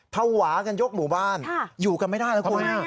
ภาวะกันยกหมู่บ้านอยู่กันไม่ได้แล้วคุณ